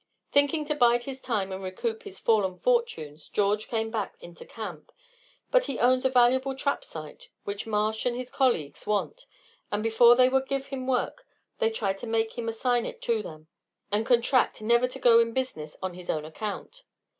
Thinking to bide his time and recoup his fallen fortunes George came back into camp; but he owns a valuable trap site which Marsh and his colleagues want; and before they would give him work, they tried to make him assign it to them, and contract never to go in business on his own account.